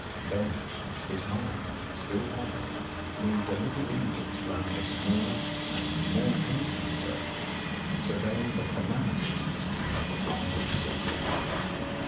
Then his mind, still hovering, moved a little inwards round a smaller and more intimate circle, surveying the calamities of the past six weeks.